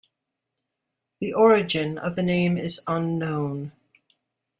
The origin of the name is unknown.